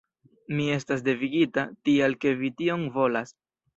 Mi estas devigita, tial ke vi tion volas.